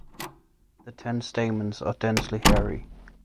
The ten stamens are densely hairy.